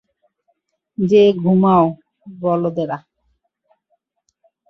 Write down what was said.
যেয়ে ঘুমাও, বলদেরা!